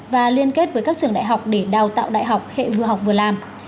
và liên kết với các trường đại học để đào tạo đại học hệ vừa học vừa làm